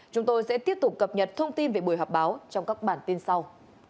chúng tôi sẽ tiếp tục cập nhật thông tin về buổi họp báo trong các bản tin sau